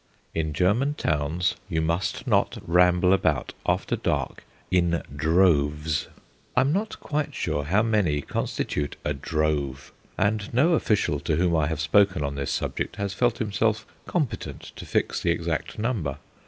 In German towns you must not ramble about after dark "in droves." I am not quite sure how many constitute a "drove," and no official to whom I have spoken on this subject has felt himself competent to fix the exact number.